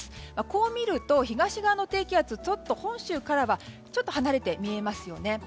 こう見ると、東側の低気圧本州からはちょっと離れて見えますよね。